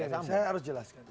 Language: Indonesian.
saya harus jelaskan